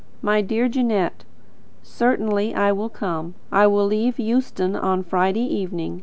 My dear Jeanette: Certainly I will come. I will leave Euston on Friday evening.